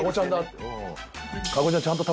って。